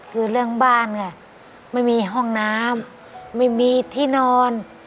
คือเรื่องบ้านค่ะไม่มีห้องน้ำไม่มีที่นอน